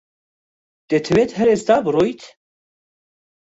دەتەوێت هەر ئێستا بڕۆیت؟